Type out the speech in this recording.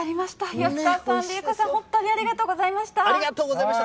安川さん、理英子さん、本当にありがとうございました。